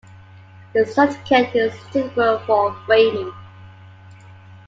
The certificate is suitable for framing.